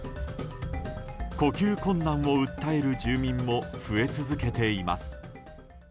呼吸困難を訴える住民も増え続けています。